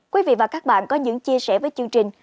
quý vị và các bạn có những chia sẻ với chương trình